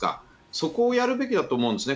そこをやるべきだと思うんですね。